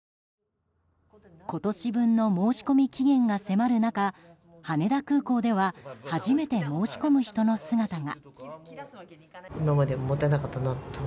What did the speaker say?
今年分の申し込み期限が迫る中羽田空港では初めて申し込む人の姿が。